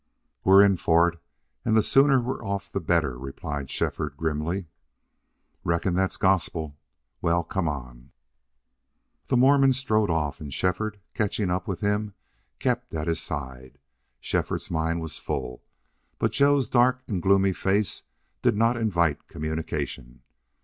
"We're in for it. And the sooner we're off the better," replied Shefford, grimly. "Reckon that's gospel. Well come on!" The Mormon strode off, and Shefford, catching up with him, kept at his side. Shefford's mind was full, but Joe's dark and gloomy face did not invite communication.